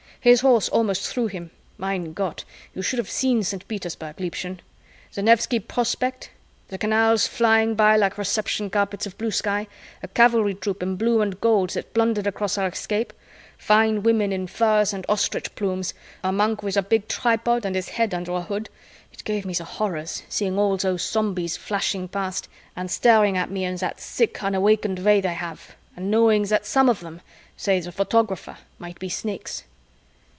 His horse almost threw him. Mein Gott, you should have seen Saint Petersburg, Liebchen: the Nevsky Prospekt, the canals flying by like reception carpets of blue sky, a cavalry troop in blue and gold that blundered across our escape, fine women in furs and ostrich plumes, a monk with a big tripod and his head under a hood it gave me the horrors seeing all those Zombies flashing past and staring at me in that sick unawakened way they have, and knowing that some of them, say the photographer, might be Snakes."